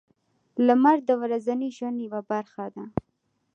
• لمر د ورځني ژوند یوه برخه ده.